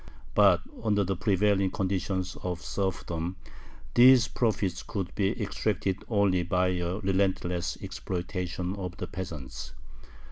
But under the prevailing conditions of serfdom these profits could be extracted only by a relentless exploitation of the peasants.